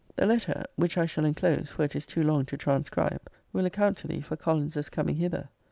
The letter [which I shall enclose; for it is too long to transcribe] will account to thee for Collins's coming hither.